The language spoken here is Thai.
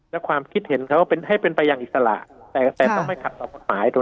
และความคิดเห็นเขาให้เป็นไปอย่างอิสระแต่ต้องไม่ขัดต่อกฎหมาย